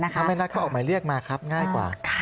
ถ้าไม่นัดก็ออกหมายเรียกมาครับง่ายกว่า